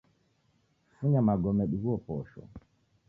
Funya magome dighuo posho